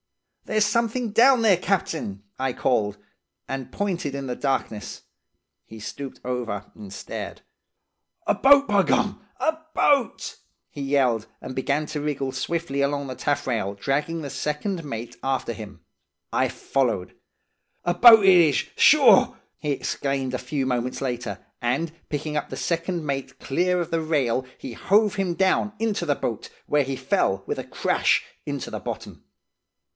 "'There's something down there, captain!' I called, and pointed in the darkness. He stooped far over, and stared. "'A boat, by gum! A boat!' he yelled, and began to wriggle swiftly along the taffrail, dragging the second mate after him. I followed. 'A boat it is, sure!' he exclaimed a few moments later, and, picking up the second mate clear of the rail, he hove him down into the boat, where he fell with a crash into the bottom.